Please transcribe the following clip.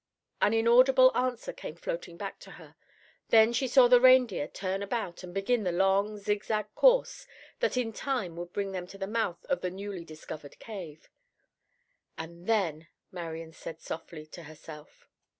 An inaudible answer came floating back to her. Then she saw the reindeer turn about and begin the long, zig zag course that in time would bring them to the mouth of the newly discovered cave. "And then," Marian said softly to herself.